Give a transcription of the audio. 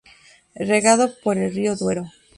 Regado por el río Duero.